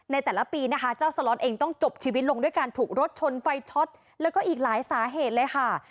ในแต่ละปีนะคะเจ้าสล็อตเองต้องจบชีวิตลงด้วยการถูกรถชนไฟช็อตแล้วก็อีกหลายสาเหตุเลยค่ะ